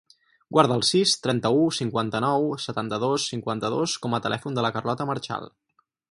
Guarda el sis, trenta-u, cinquanta-nou, setanta-dos, cinquanta-dos com a telèfon de la Carlota Marchal.